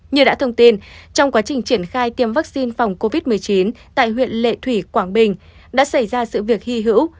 như đã thông tin trong quá trình triển khai tiêm vaccine phòng covid một mươi chín tại huyện lệ thủy quảng bình đã xảy ra sự việc hy hữu